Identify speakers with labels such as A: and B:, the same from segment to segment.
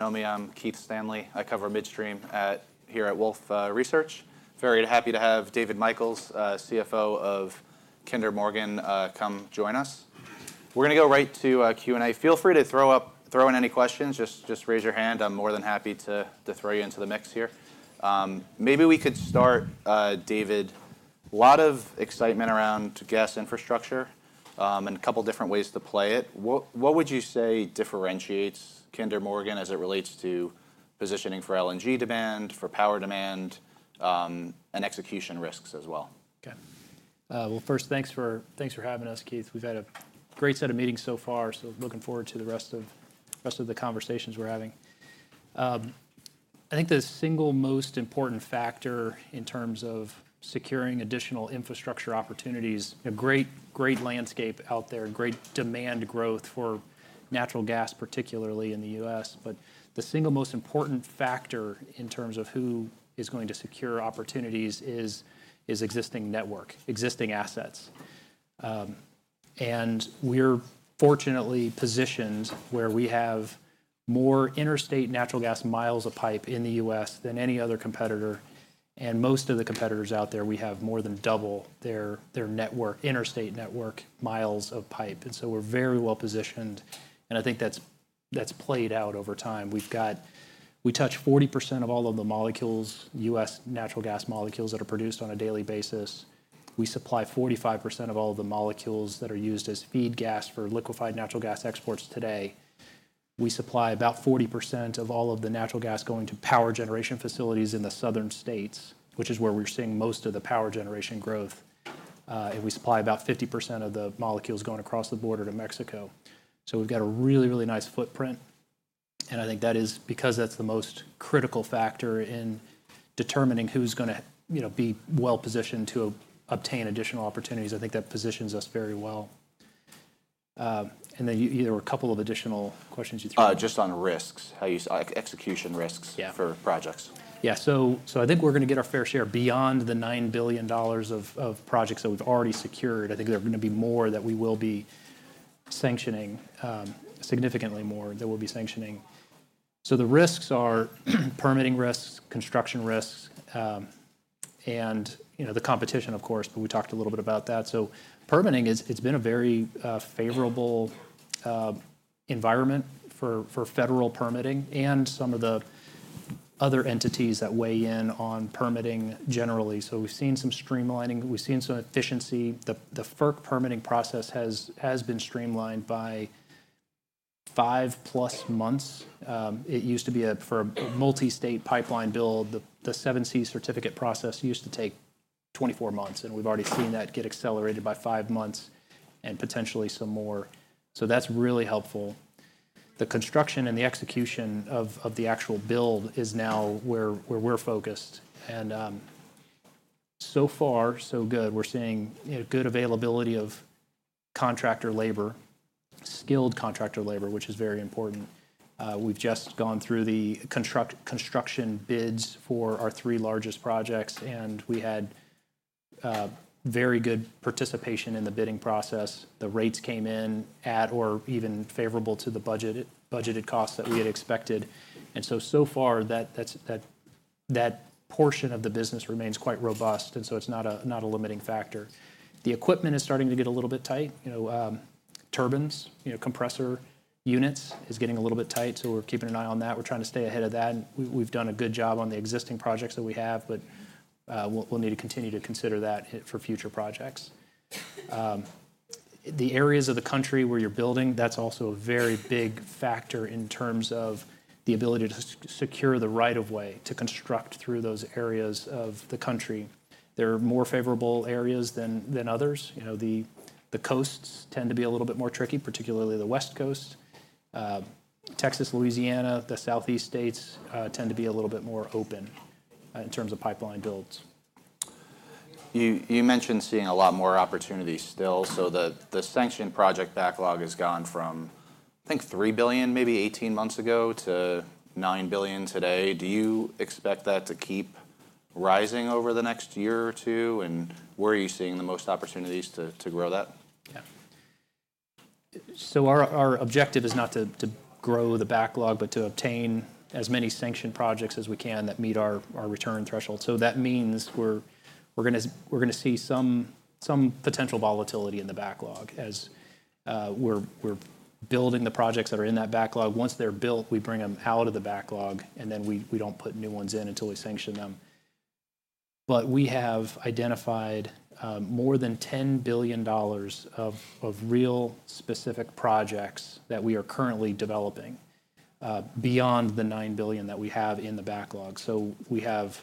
A: For those who don't know me, I'm Keith Stanley. I cover Midstream here at Wolfe Research. Very happy to have David Michels, CFO of Kinder Morgan, come join us. We're going to go right to Q&A. Feel free to throw in any questions. Just raise your hand. I'm more than happy to throw you into the mix here. Maybe we could start, David. A lot of excitement around gas infrastructure and a couple of different ways to play it. What would you say differentiates Kinder Morgan as it relates to positioning for LNG demand, for power demand, and execution risks as well?
B: Okay. First, thanks for having us, Keith. We've had a great set of meetings so far, so looking forward to the rest of the conversations we're having. I think the single most important factor in terms of securing additional infrastructure opportunities, a great landscape out there, great demand growth for natural gas, particularly in the U.S., but the single most important factor in terms of who is going to secure opportunities is existing network, existing assets. We're fortunately positioned where we have more interstate natural gas miles of pipe in the U.S. than any other competitor. Most of the competitors out there, we have more than double their interstate network miles of pipe. We're very well positioned. I think that's played out over time. We touch 40% of all of the molecules, U.S. natural gas molecules, that are produced on a daily basis. We supply 45% of all of the molecules that are used as feed gas for liquefied natural gas exports today. We supply about 40% of all of the natural gas going to power generation facilities in the southern states, which is where we're seeing most of the power generation growth. And we supply about 50% of the molecules going across the border to Mexico. So we've got a really, really nice footprint. And I think that is because that's the most critical factor in determining who's going to be well positioned to obtain additional opportunities. I think that positions us very well. And then there were a couple of additional questions you threw.
A: Just on risks, execution risks for projects.
B: Yeah. So I think we're going to get our fair share beyond the $9 billion of projects that we've already secured. I think there are going to be more that we will be sanctioning, significantly more that we'll be sanctioning. So the risks are permitting risks, construction risks, and the competition, of course. But we talked a little bit about that. So permitting, it's been a very favorable environment for federal permitting and some of the other entities that weigh in on permitting generally. So we've seen some streamlining. We've seen some efficiency. The FERC permitting process has been streamlined by 5+ months. It used to be for a multi-state pipeline build, the 7(c) certificate process used to take 24 months. And we've already seen that get accelerated by five months and potentially some more. So that's really helpful. The construction and the execution of the actual build is now where we're focused. And so far, so good. We're seeing good availability of contractor labor, skilled contractor labor, which is very important. We've just gone through the construction bids for our three largest projects. And we had very good participation in the bidding process. The rates came in at or even favorable to the budgeted costs that we had expected. And so so far, that portion of the business remains quite robust. And so it's not a limiting factor. The equipment is starting to get a little bit tight. Turbines, compressor units is getting a little bit tight. So we're keeping an eye on that. We're trying to stay ahead of that. And we've done a good job on the existing projects that we have. But we'll need to continue to consider that for future projects. The areas of the country where you're building, that's also a very big factor in terms of the ability to secure the right of way to construct through those areas of the country. There are more favorable areas than others. The coasts tend to be a little bit more tricky, particularly the West Coast. Texas, Louisiana, the Southeast states tend to be a little bit more open in terms of pipeline builds.
A: You mentioned seeing a lot more opportunities still. So the sanctioned project backlog has gone from, I think, $3 billion maybe 18 months ago to $9 billion today. Do you expect that to keep rising over the next year or two? And where are you seeing the most opportunities to grow that?
B: Yeah. So our objective is not to grow the backlog, but to obtain as many sanctioned projects as we can that meet our return threshold. So that means we're going to see some potential volatility in the backlog as we're building the projects that are in that backlog. Once they're built, we bring them out of the backlog. And then we don't put new ones in until we sanction them. But we have identified more than $10 billion of real specific projects that we are currently developing beyond the $9 billion that we have in the backlog. So we have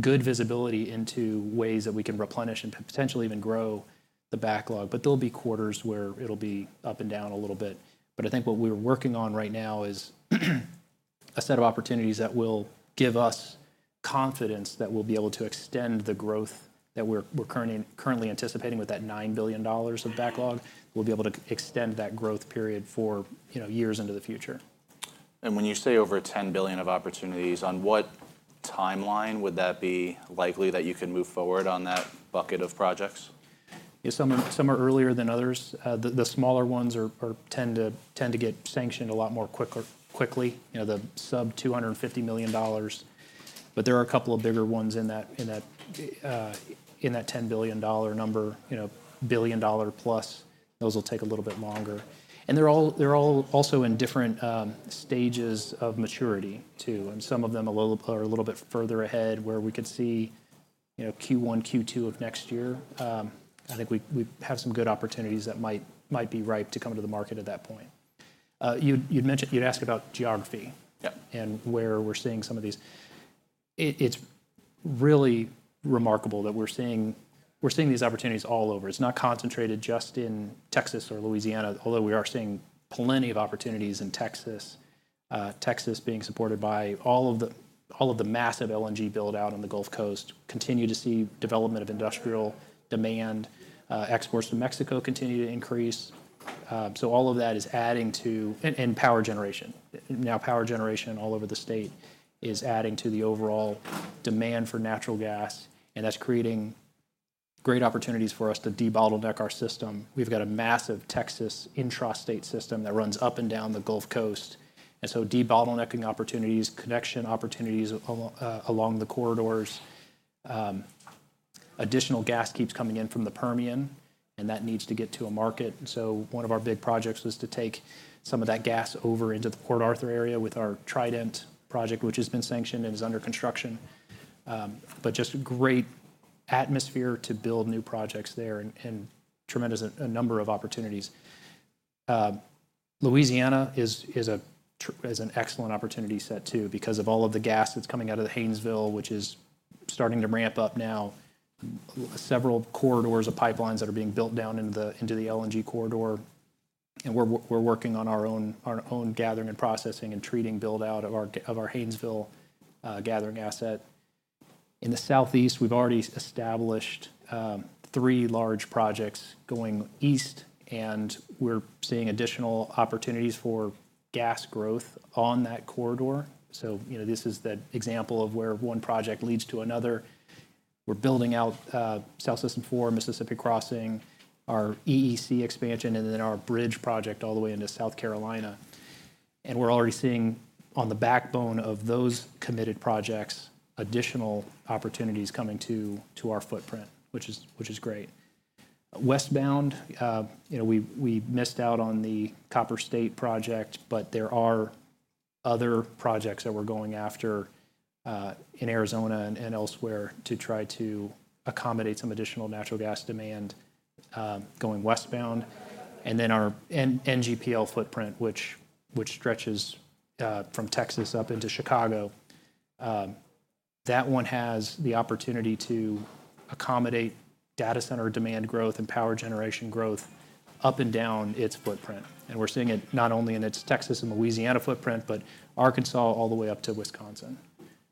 B: good visibility into ways that we can replenish and potentially even grow the backlog. But there'll be quarters where it'll be up and down a little bit. But I think what we're working on right now is a set of opportunities that will give us confidence that we'll be able to extend the growth that we're currently anticipating with that $9 billion of backlog. We'll be able to extend that growth period for years into the future.
A: When you say over $10 billion of opportunities, on what timeline would that be likely that you can move forward on that bucket of projects?
B: Yeah, some are earlier than others. The smaller ones tend to get sanctioned a lot more quickly, the sub-$250 million. But there are a couple of bigger ones in that $10 billion number, $1 billion plus. Those will take a little bit longer. And they're all also in different stages of maturity, too. And some of them are a little bit further ahead, where we could see Q1, Q2 of next year. I think we have some good opportunities that might be ripe to come to the market at that point. You'd ask about geography and where we're seeing some of these. It's really remarkable that we're seeing these opportunities all over. It's not concentrated just in Texas or Louisiana, although we are seeing plenty of opportunities in Texas, Texas being supported by all of the massive LNG build-out on the Gulf Coast, continue to see development of industrial demand, exports to Mexico continue to increase, so all of that is adding to and power generation. Now power generation all over the state is adding to the overall demand for natural gas, and that's creating great opportunities for us to debottleneck our system. We've got a massive Texas intrastate system that runs up and down the Gulf Coast, and so debottlenecking opportunities, connection opportunities along the corridors. Additional gas keeps coming in from the Permian, and that needs to get to a market. And so one of our big projects was to take some of that gas over into the Port Arthur area with our Trident project, which has been sanctioned and is under construction. But just great atmosphere to build new projects there and tremendous number of opportunities. Louisiana is an excellent opportunity set, too, because of all of the gas that's coming out of the Haynesville, which is starting to ramp up now. Several corridors of pipelines that are being built down into the LNG corridor. And we're working on our own gathering and processing and treating build-out of our Haynesville gathering asset. In the Southeast, we've already established three large projects going east. And we're seeing additional opportunities for gas growth on that corridor. So this is the example of where one project leads to another. We're building out South System 4, Mississippi Crossing, our EEC Expansion, and then our Bridge project all the way into South Carolina. And we're already seeing on the backbone of those committed projects, additional opportunities coming to our footprint, which is great. Westbound, we missed out on the Copper State project. But there are other projects that we're going after in Arizona and elsewhere to try to accommodate some additional natural gas demand going westbound. And then our NGPL footprint, which stretches from Texas up into Chicago, that one has the opportunity to accommodate data center demand growth and power generation growth up and down its footprint. And we're seeing it not only in its Texas and Louisiana footprint, but Arkansas all the way up to Wisconsin.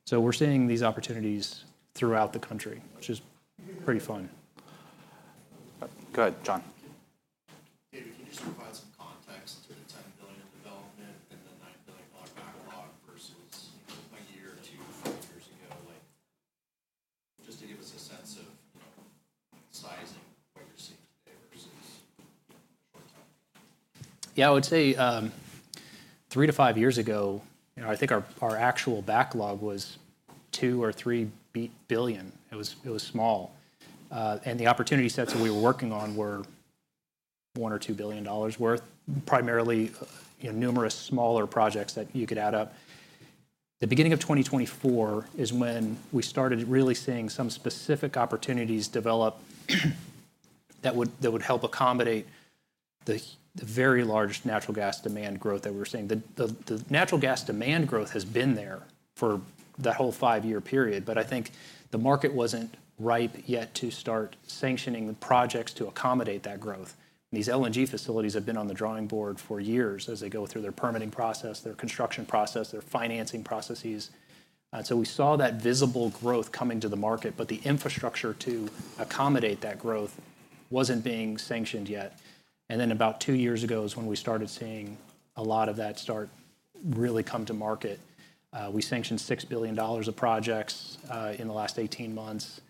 B: So we're seeing these opportunities throughout the country, which is pretty fun.
A: Go ahead, John. David, can you just provide some context to the $10 billion development and the $9 billion backlog versus a year or two, five years ago, just to give us a sense of sizing what you're seeing today versus a short time ago?
B: Yeah, I would say 3-5 years ago, I think our actual backlog was $2 or $3 billion. It was small. And the opportunity sets that we were working on were $1 or $2 billion worth, primarily numerous smaller projects that you could add up. The beginning of 2024 is when we started really seeing some specific opportunities develop that would help accommodate the very large natural gas demand growth that we were seeing. The natural gas demand growth has been there for that whole five-year period. But I think the market wasn't ripe yet to start sanctioning the projects to accommodate that growth. These LNG facilities have been on the drawing board for years as they go through their permitting process, their construction process, their financing processes. And so we saw that visible growth coming to the market. But the infrastructure to accommodate that growth wasn't being sanctioned yet. And then about two years ago is when we started seeing a lot of that start really come to market. We sanctioned $6 billion of projects in the last 18 months.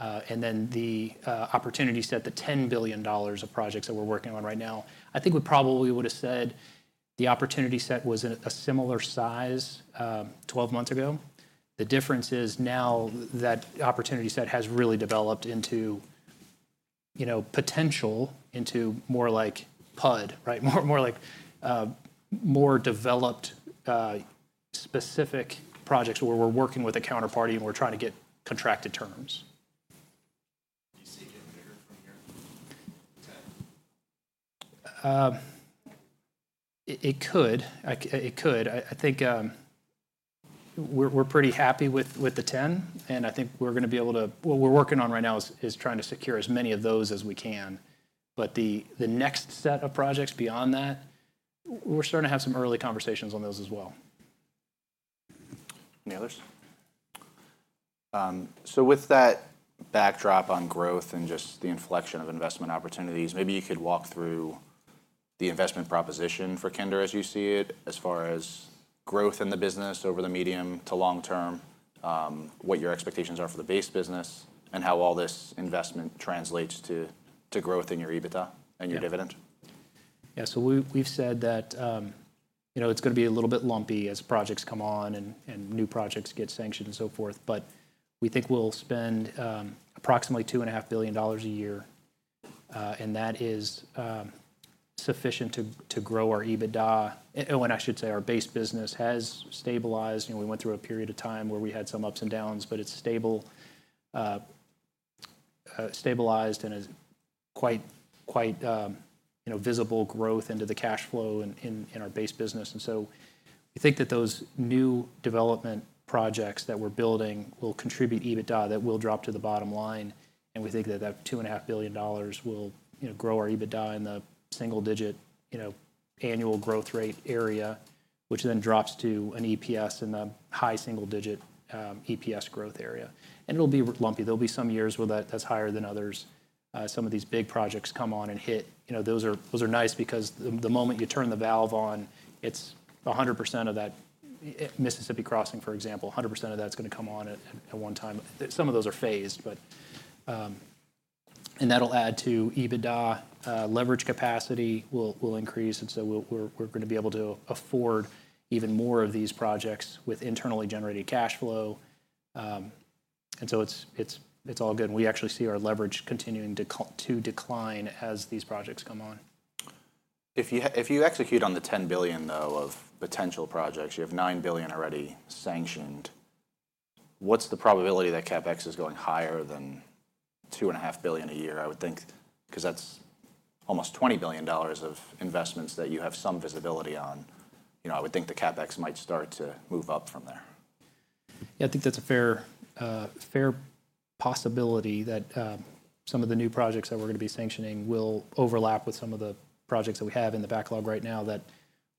B: And then the opportunity set, the $10 billion of projects that we're working on right now, I think we probably would have said the opportunity set was a similar size 12 months ago. The difference is now that opportunity set has really developed into potential, into more like PUD, more developed specific projects where we're working with a counterparty and we're trying to get contracted terms. It could. It could. I think we're pretty happy with the $10 billion. And I think we're going to be able to, what we're working on right now is trying to secure as many of those as we can. But the next set of projects beyond that, we're starting to have some early conversations on those as well.
A: Any others? So with that backdrop on growth and just the inflection of investment opportunities, maybe you could walk through the investment proposition for Kinder as you see it, as far as growth in the business over the medium to long term, what your expectations are for the base business, and how all this investment translates to growth in your EBITDA and your dividend.
B: Yeah. So we've said that it's going to be a little bit lumpy as projects come on and new projects get sanctioned and so forth. But we think we'll spend approximately $2.5 billion a year. And that is sufficient to grow our EBITDA. Oh, and I should say our base business has stabilized. We went through a period of time where we had some ups and downs. But it's stabilized and quite visible growth into the cash flow in our base business. And so we think that those new development projects that we're building will contribute EBITDA that will drop to the bottom line. And we think that that $2.5 billion will grow our EBITDA in the single-digit annual growth rate area, which then drops to an EPS in the high single-digit EPS growth area. And it'll be lumpy. There'll be some years where that's higher than others. Some of these big projects come on and hit. Those are nice because the moment you turn the valve on, it's 100% of that Mississippi Crossing, for example, 100% of that's going to come on at one time. Some of those are phased, and that'll add to EBITDA. Leverage capacity will increase, and so we're going to be able to afford even more of these projects with internally generated cash flow, and so it's all good, and we actually see our leverage continuing to decline as these projects come on.
A: If you execute on the $10 billion, though, of potential projects, you have $9 billion already sanctioned, what's the probability that CapEx is going higher than $2.5 billion a year, I would think, because that's almost $20 billion of investments that you have some visibility on? I would think the CapEx might start to move up from there.
B: Yeah, I think that's a fair possibility that some of the new projects that we're going to be sanctioning will overlap with some of the projects that we have in the backlog right now that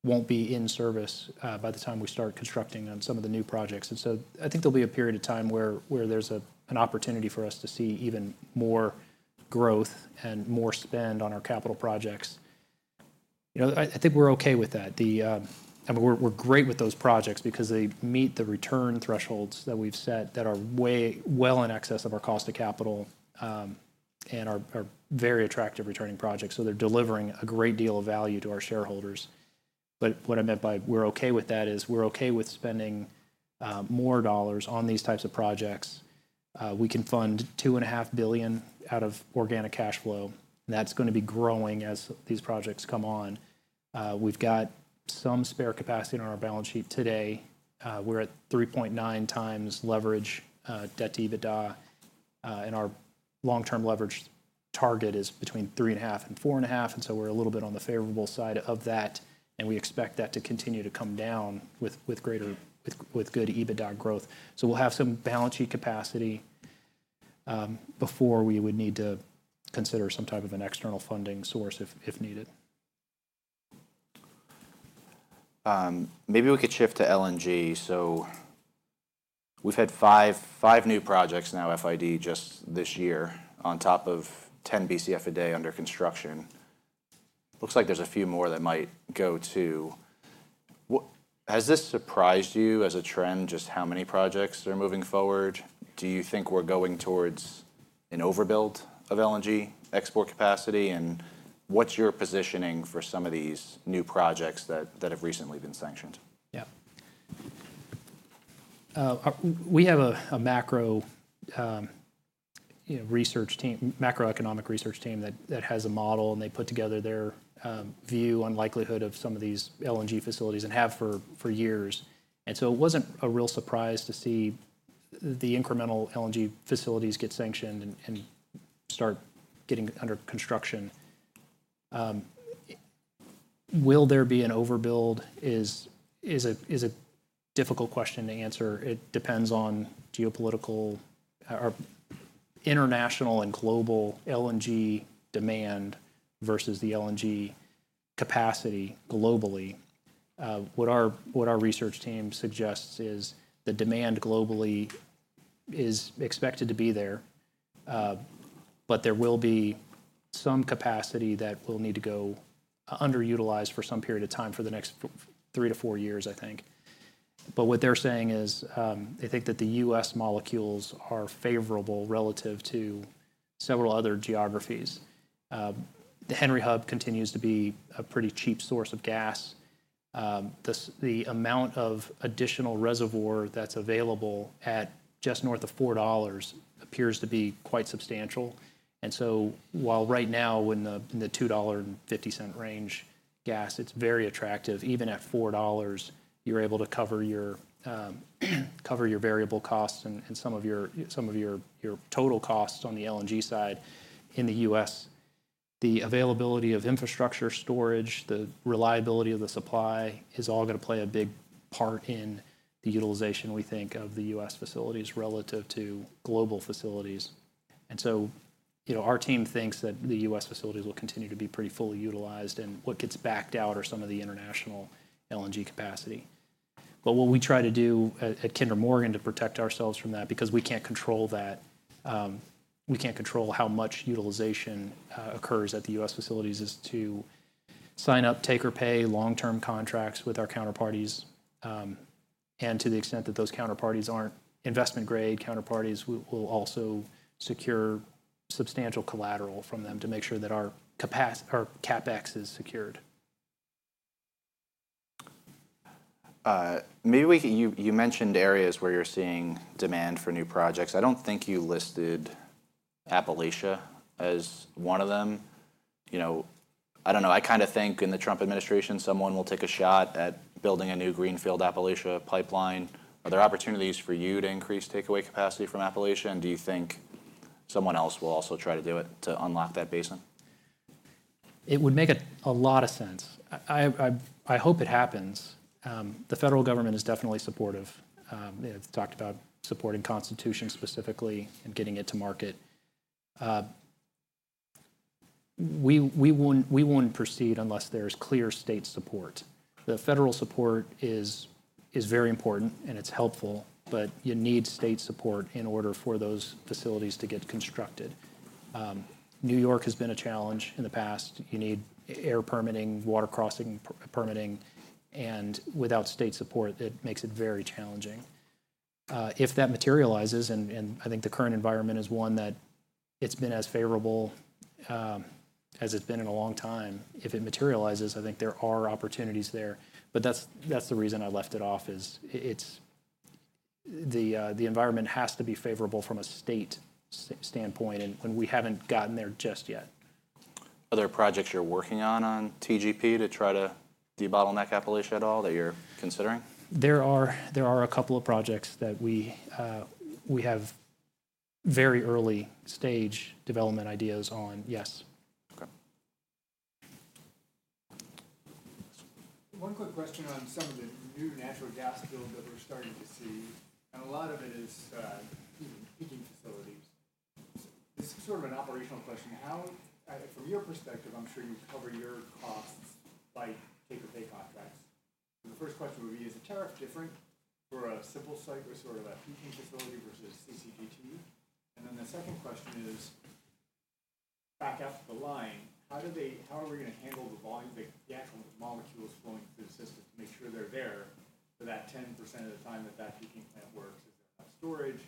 B: won't be in service by the time we start constructing on some of the new projects, and so I think there'll be a period of time where there's an opportunity for us to see even more growth and more spend on our capital projects. I think we're okay with that. We're great with those projects because they meet the return thresholds that we've set that are well in excess of our cost of capital and are very attractive returning projects. So they're delivering a great deal of value to our shareholders, but what I meant by we're okay with that is we're okay with spending more dollars on these types of projects. We can fund $2.5 billion out of organic cash flow. And that's going to be growing as these projects come on. We've got some spare capacity on our balance sheet today. We're at 3.9x leverage debt to EBITDA. And our long-term leverage target is between 3.5x and 4.5x. And so we're a little bit on the favorable side of that. And we expect that to continue to come down with good EBITDA growth. So we'll have some balance sheet capacity before we would need to consider some type of an external funding source if needed.
A: Maybe we could shift to LNG. So we've had five new projects now, FID, just this year on top of 10 Bcf a day under construction. Looks like there's a few more that might go too. Has this surprised you as a trend, just how many projects are moving forward? Do you think we're going towards an overbuild of LNG export capacity? And what's your positioning for some of these new projects that have recently been sanctioned?
B: Yeah. We have a macroeconomic research team that has a model. And they put together their view on likelihood of some of these LNG facilities and have for years. And so it wasn't a real surprise to see the incremental LNG facilities get sanctioned and start getting under construction. Will there be an overbuild? It's a difficult question to answer. It depends on geopolitical, international, and global LNG demand versus the LNG capacity globally. What our research team suggests is the demand globally is expected to be there. But there will be some capacity that will need to go underutilized for some period of time for the next 3-4 years, I think. But what they're saying is they think that the U.S. molecules are favorable relative to several other geographies. The Henry Hub continues to be a pretty cheap source of gas. The amount of additional reservoir that's available at just north of $4 appears to be quite substantial. And so while right now in the $2.50 range gas, it's very attractive, even at $4, you're able to cover your variable costs and some of your total costs on the LNG side in the U.S. The availability of infrastructure storage, the reliability of the supply is all going to play a big part in the utilization, we think, of the U.S. facilities relative to global facilities. And so our team thinks that the U.S. facilities will continue to be pretty fully utilized. And what gets backed out are some of the international LNG capacity. But what we try to do at Kinder Morgan to protect ourselves from that, because we can't control that, we can't control how much utilization occurs at the U.S. facilities, is to sign up take-or-pay long-term contracts with our counterparties. And to the extent that those counterparties aren't investment-grade counterparties, we'll also secure substantial collateral from them to make sure that our CapEx is secured.
A: You mentioned areas where you're seeing demand for new projects. I don't think you listed Appalachia as one of them. I don't know. I kind of think in the Trump administration, someone will take a shot at building a new greenfield Appalachia pipeline. Are there opportunities for you to increase takeaway capacity from Appalachia, and do you think someone else will also try to do it to unlock that basin?
B: It would make a lot of sense. I hope it happens. The federal government is definitely supportive. They've talked about supporting Constitution specifically and getting it to market. We won't proceed unless there's clear state support. The federal support is very important. And it's helpful. But you need state support in order for those facilities to get constructed. New York has been a challenge in the past. You need air permitting, water crossing permitting. And without state support, it makes it very challenging. If that materializes, and I think the current environment is one that it's been as favorable as it's been in a long time, if it materializes, I think there are opportunities there. But that's the reason I left it off, is the environment has to be favorable from a state standpoint. And we haven't gotten there just yet.
A: Are there projects you're working on TGP to try to debottleneck Appalachia at all that you're considering?
B: There are a couple of projects that we have very early-stage development ideas on, yes.
A: Okay. One quick question on some of the new natural gas-fired that we're starting to see. A lot of it is peaker facilities. This is sort of an operational question. From your perspective, I'm sure you've covered your costs by take-or-pay contracts. The first question would be, is the tariff different for a simple cycle or sort of a peaker facility versus CCGT? And then the second question is, back up the line, how are we going to handle the volume of the natural molecules flowing through the system to make sure they're there for that 10% of the time that that peaker plant works? Is there enough storage?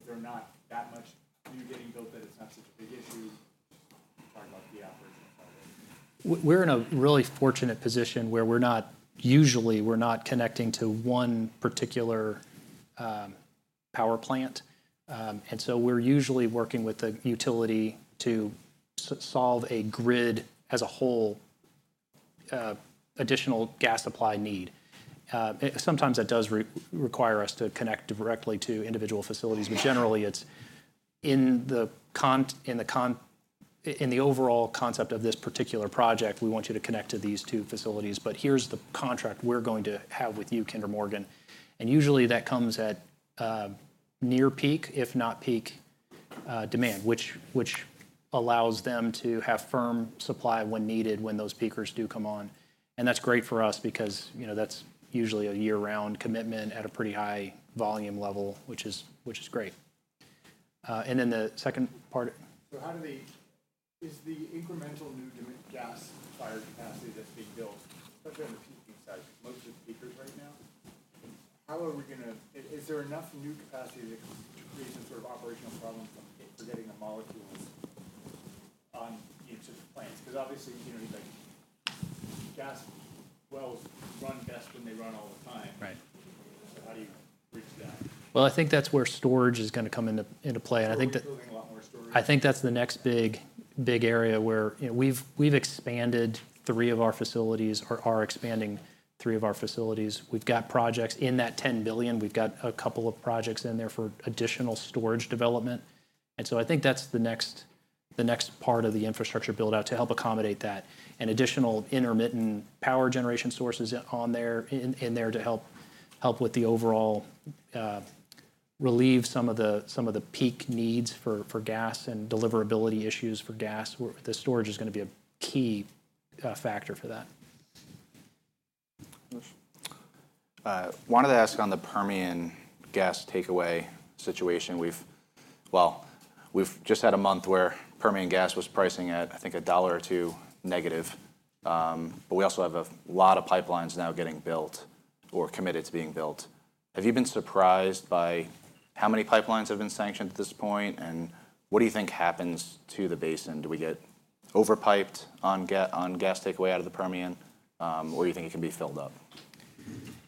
A: If there is not that much storage getting built, that it's not such a big issue? Just talk about the operational part of it.
B: We're in a really fortunate position where we're not usually connecting to one particular power plant. And so we're usually working with the utility to solve a grid as a whole additional gas supply need. Sometimes that does require us to connect directly to individual facilities. But generally, in the overall concept of this particular project, we want you to connect to these two facilities. But here's the contract we're going to have with you, Kinder Morgan. And usually, that comes at near peak, if not peak demand, which allows them to have firm supply when needed when those peakers do come on. And that's great for us because that's usually a year-round commitment at a pretty high volume level, which is great. And then the second part. So how do the incremental new gas-fired capacity that's being built, especially on the peaking side, most of the peakers right now, how are we going to, is there enough new capacity to create some sort of operational problem for getting the molecules onto the plants? Because obviously, gas wells run best when they run all the time, so how do you reach that? I think that's where storage is going to come into play. I think that's the next big area where we've expanded three of our facilities, are expanding three of our facilities. We've got projects in that $10 billion. We've got a couple of projects in there for additional storage development, and so I think that's the next part of the infrastructure build-out to help accommodate that and additional intermittent power generation sources in there to help with the overall relieve some of the peak needs for gas and deliverability issues for gas. The storage is going to be a key factor for that.
A: Wanted to ask on the Permian gas takeaway situation. Well, we've just had a month where Permian gas was pricing at, I think, $1 or $2 negative. But we also have a lot of pipelines now getting built or committed to being built. Have you been surprised by how many pipelines have been sanctioned at this point? And what do you think happens to the basin? Do we get overpiped on gas takeaway out of the Permian? Or do you think it can be filled up?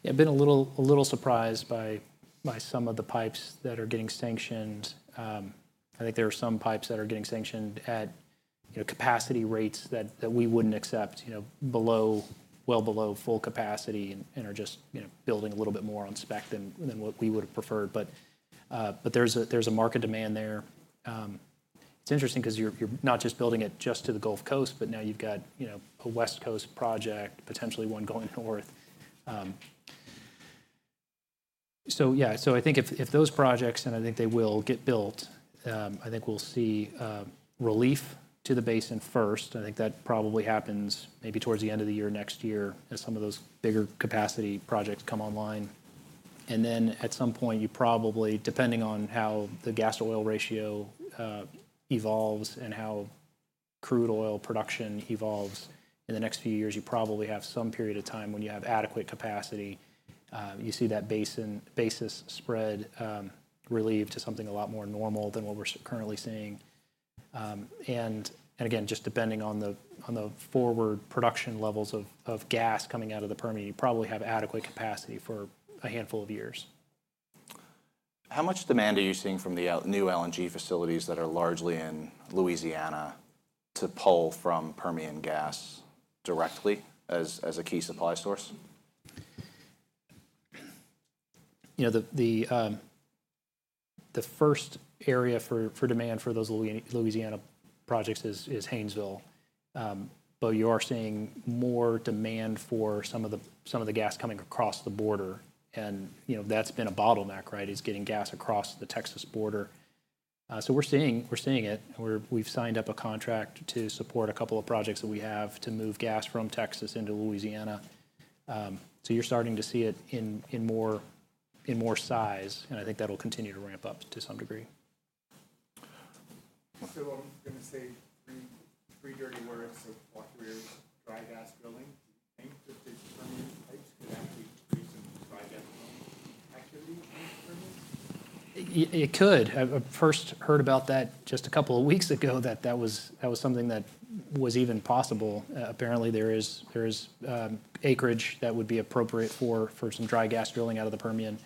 B: Yeah, I've been a little surprised by some of the pipes that are getting sanctioned. I think there are some pipes that are getting sanctioned at capacity rates that we wouldn't accept, well below full capacity, and are just building a little bit more on spec than what we would have preferred. But there's a market demand there. It's interesting because you're not just building it just to the Gulf Coast. But now you've got a West Coast project, potentially one going north. So yeah, so I think if those projects, and I think they will get built, I think we'll see relief to the basin first. I think that probably happens maybe towards the end of the year next year as some of those bigger capacity projects come online. And then at some point, you probably, depending on how the gas-to-oil ratio evolves and how crude oil production evolves in the next few years, you probably have some period of time when you have adequate capacity. You see that basis spread relieved to something a lot more normal than what we're currently seeing. And again, just depending on the forward production levels of gas coming out of the Permian, you probably have adequate capacity for a handful of years.
A: How much demand are you seeing from the new LNG facilities that are largely in Louisiana to pull from Permian gas directly as a key supply source?
B: The first area for demand for those Louisiana projects is Haynesville, but you are seeing more demand for some of the gas coming across the border, and that's been a bottleneck, right, is getting gas across the Texas border, so we're seeing it. We've signed up a contract to support a couple of projects that we have to move gas from Texas into Louisiana, so you're starting to see it in more size, and I think that'll continue to ramp up to some degree. I'm going to say of what we're dry gas drilling. Do you think that the Permian pipes could actually create some dry gas production in the Permian? It could. I first heard about that just a couple of weeks ago, that that was something that was even possible. Apparently, there is acreage that would be appropriate for some dry gas drilling out of the Permian.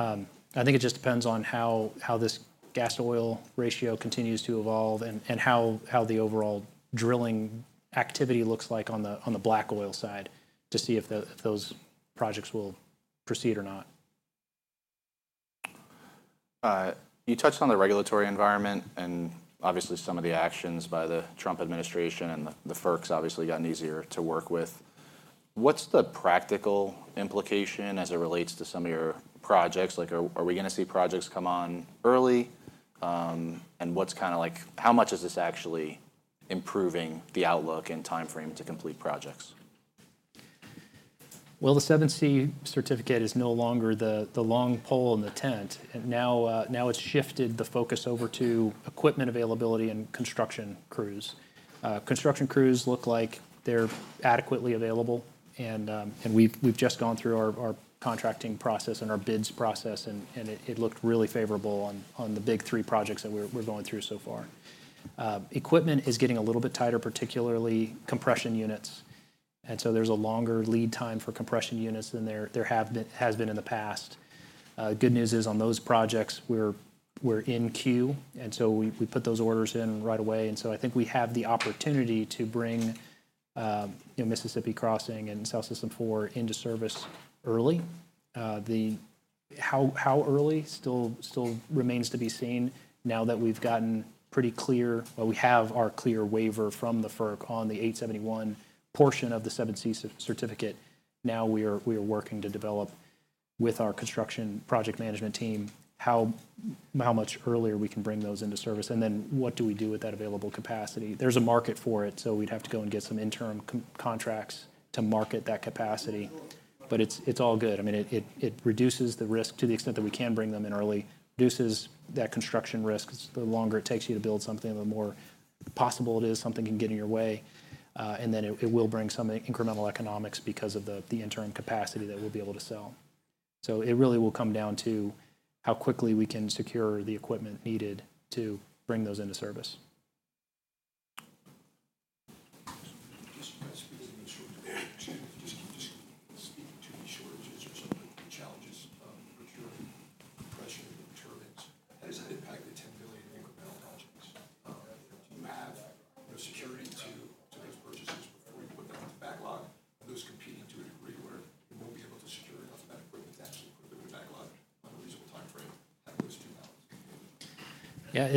B: I think it just depends on how this gas to oil ratio continues to evolve and how the overall drilling activity looks like on the black oil side to see if those projects will proceed or not.
A: You touched on the regulatory environment and obviously some of the actions by the Trump administration. And the FERC has obviously gotten easier to work with. What's the practical implication as it relates to some of your projects? Are we going to see projects come on early? And what's kind of like, how much is this actually improving the outlook and time frame to complete projects?
B: The 7(c) certificate is no longer the long pole in the tent. Now it's shifted the focus over to equipment availability and construction crews. Construction crews look like they're adequately available. We've just gone through our contracting process and our bids process. It looked really favorable on the big three projects that we're going through so far. Equipment is getting a little bit tighter, particularly compression units. There's a longer lead time for compression units than there has been in the past. Good news is on those projects, we're in queue. We put those orders in right away. I think we have the opportunity to bring Mississippi Crossing and South System 4 into service early. How early still remains to be seen. Now that we've gotten pretty clear, well, we have our clear waiver from the FERC on the 871 portion of the 7(c) certificate. Now we are working to develop with our construction project management team how much earlier we can bring those into service. And then what do we do with that available capacity? There's a market for it. So we'd have to go and get some interim contracts to market that capacity. But it's all good. I mean, it reduces the risk to the extent that we can bring them in early, reduces that construction risk. The longer it takes you to build something, the more possible it is something can get in your way. And then it will bring some incremental economics because of the interim capacity that we'll be able to sell. So it really will come down to how quickly we can secure the equipment needed to bring those into service.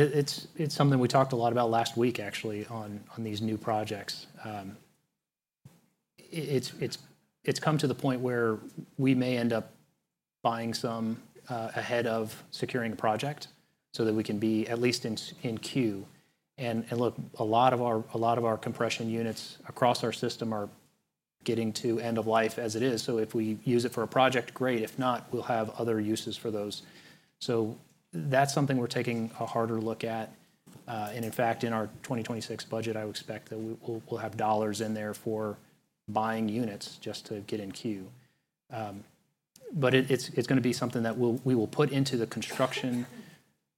B: Just to make sure, just keep the screen sharing to me short. Is there something with the challenges of the pressure and the turbines? How does that impact the $10 billion incremental projects? Do you have security to those purchases before you put them into backlog? Are those competing to a degree where you won't be able to secure enough of that equipment to actually put them into backlog on a reasonable time frame? How do those two balance? Yeah, it's something we talked a lot about last week, actually, on these new projects. It's come to the point where we may end up buying some ahead of securing a project so that we can be at least in queue. And look, a lot of our compression units across our system are getting to end of life as it is. So if we use it for a project, great. If not, we'll have other uses for those. So that's something we're taking a harder look at. And in fact, in our 2026 budget, I expect that we'll have dollars in there for buying units just to get in queue. But it's going to be something that we will put into the construction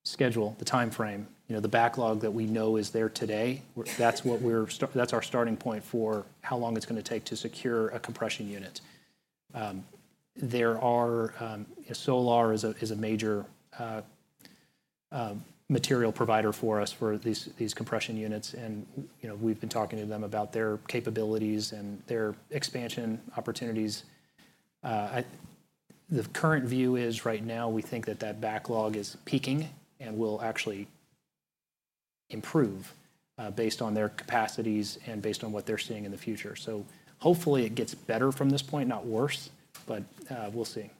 B: schedule, the time frame, the backlog that we know is there today. That's our starting point for how long it's going to take to secure a compression unit. Solar is a major material provider for us for these compression units. And we've been talking to them about their capabilities and their expansion opportunities. The current view is right now we think that that backlog is peaking and will actually improve based on their capacities and based on what they're seeing in the future. So hopefully it gets better from this point, not worse. But we'll see.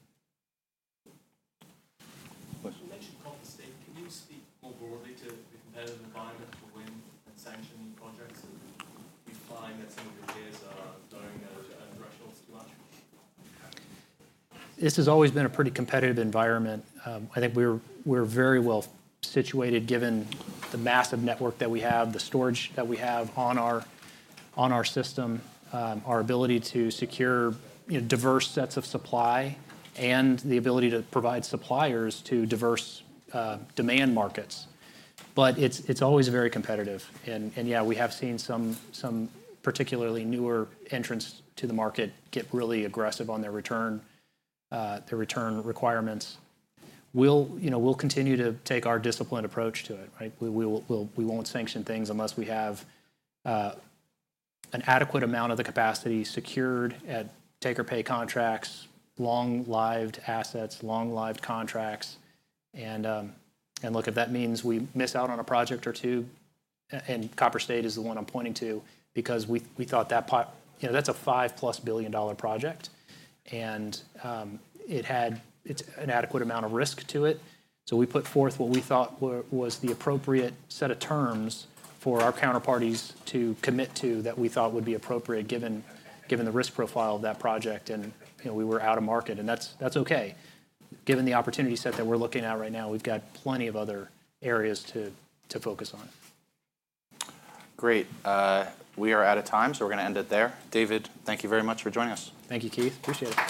B: You mentioned Can you speak more broadly to the competitive environment for when sanctioning projects? Do you find that some of your peers are going as directional as too much? This has always been a pretty competitive environment. I think we're very well situated given the massive network that we have, the storage that we have on our system, our ability to secure diverse sets of supply, and the ability to provide suppliers to diverse demand markets. But it's always very competitive. And yeah, we have seen some particularly newer entrants to the market get really aggressive on their return requirements. We'll continue to take our disciplined approach to it. We won't sanction things unless we have an adequate amount of the capacity secured at take-or-pay contracts, long-lived assets, long-lived contracts. And look, if that means we miss out on a project or two, and Copper State is the one I'm pointing to because we thought that that's a $5+ billion project. And it had an adequate amount of risk to it. We put forth what we thought was the appropriate set of terms for our counterparties to commit to that we thought would be appropriate given the risk profile of that project. We were out of market. That's okay. Given the opportunity set that we're looking at right now, we've got plenty of other areas to focus on.
A: Great. We are out of time. So we're going to end it there. David, thank you very much for joining us.
B: Thank you, Keith. Appreciate it.